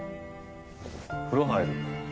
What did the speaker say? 風呂入る。